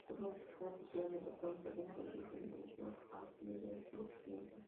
Fue modificada posteriormente por la intervención de Benedetto Alfieri el siglo siguiente.